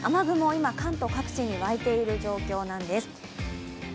今、関東各地に沸いている状況なんです。